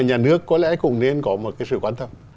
nhà nước có lẽ cũng nên có một cái sự quan tâm